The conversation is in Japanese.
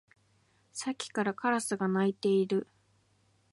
さっきからカラスが鳴いている